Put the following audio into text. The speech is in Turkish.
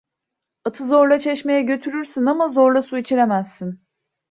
Atı zorla çeşmeye götürürsün ama, zorla su içiremezsin!